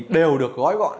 đều được gói gọn